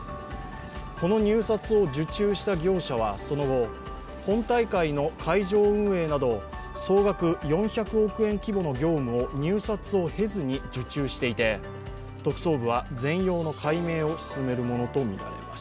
この入札を受注した業者はその後、本大会の会場運営など総額４００億円規模の業務を入札を経ずに受注していて特捜部は全容の解明を進めるものとみられます。